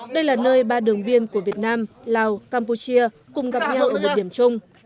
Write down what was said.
đây là nơi ba đường biên của việt nam lào campuchia cùng gặp nhau ở một điểm chung